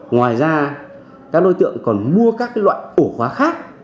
ngoài ra các đối tượng còn mua các loại ổ khóa khác